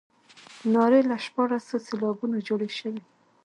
نارې له شپاړسو سېلابونو جوړې شوې.